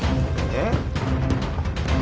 えっ！？